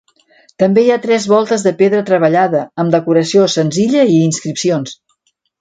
També hi ha tres voltes de pedra treballada, amb decoració senzilla i inscripcions.